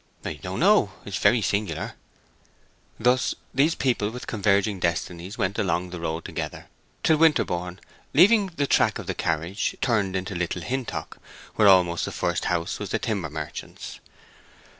"I don't know. It is very singular." Thus these people with converging destinies went along the road together, till Winterborne, leaving the track of the carriage, turned into Little Hintock, where almost the first house was the timber merchant's.